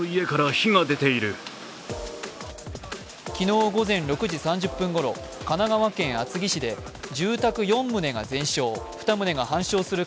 昨日午前６時３０分ごろ神奈川県厚木市で住宅４棟が全焼、２棟が半焼する